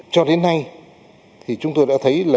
cho đến nay thì chúng tôi đã thấy là